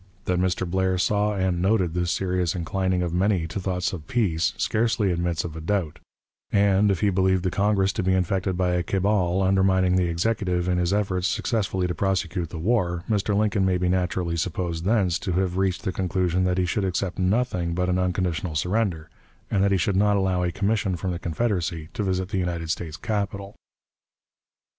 That Mr. Blair saw and noted this serious inclining of many to thoughts of peace, scarcely admits of a doubt; and, if he believed the Congress to be infected by a cabal undermining the Executive in his efforts successfully to prosecute the war, Mr. Lincoln may be naturally supposed thence to have reached the conclusion that he should accept nothing but an unconditional surrender, and that he should not allow a commission from the Confederacy to visit the United States capital.